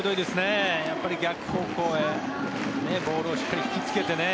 やっぱり逆方向へボールをしっかり引きつけてね。